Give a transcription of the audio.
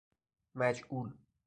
مجعول